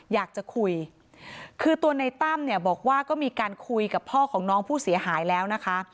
อยากจะคุยคือตัวในตั้มเนี่ยบอกว่าก็มีการคุยกับพ่อของน้องผู้เสียหายแล้วนะคะ